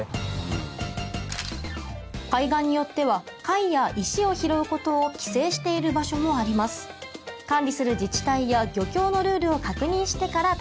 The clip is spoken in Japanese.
海岸によっては貝や石を拾うことを規制している場所もあります